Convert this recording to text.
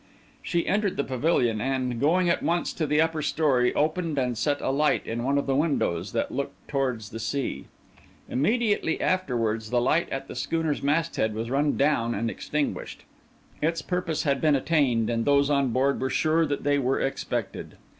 She entered the pavilion, and, going at once to the upper storey, opened and set a light in one of the windows that looked towards the sea. Immediately afterwards the light at the schooner's masthead was run down and extinguished. Its purpose had been attained, and those on board were sure that they were expected.